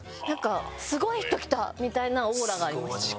「すごい人来た」みたいなオーラがありました。